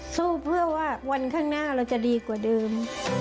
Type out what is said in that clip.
สู้เพื่อว่าวันข้างหน้าเราจะดีกว่าเดิม